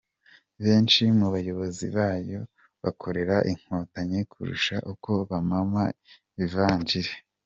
Benshi mu bayobozi bayo bakorera Inkotanyi kurusha uko bamama Ivanjili.